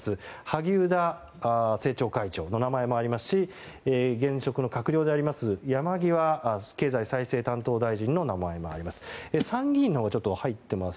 萩生田政調会長の名前もありますし現職の閣僚である山際経済再生担当大臣の名前もあります。